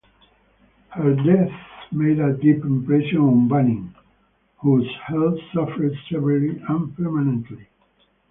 Her death made a deep impression on Banim, whose health suffered severely and permanently.